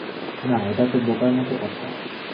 না, এটা তো বোকার মত কথা।